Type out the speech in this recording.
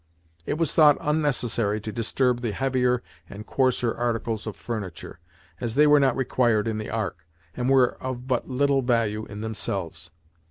It was thought unnecessary to disturb the heavier and coarser articles of furniture, as they were not required in the Ark, and were of but little value in themselves.